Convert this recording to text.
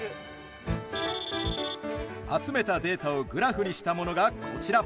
集めたデータをグラフにしたものがこちら。